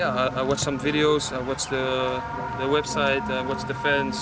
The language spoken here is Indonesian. jadi saya menonton beberapa video menonton website menonton fans